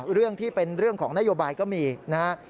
เรื่องที่เป็นเรื่องของนโยบายก็มีนะครับ